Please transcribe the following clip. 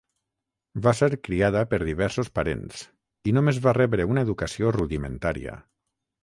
Va ser criada per diversos parents, i només va rebre una educació rudimentària.